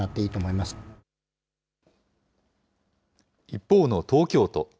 一方の東京都。